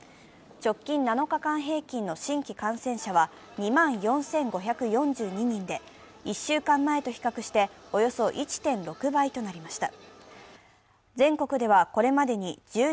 直近７日間平均の新規感染者数は２万４５４２人で、１週間前と比較しておよそ１．６倍となりました。